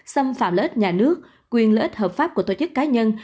xâm phạm lợi ích nhà nước quyền lợi ích hợp pháp của tổ chức cá nhân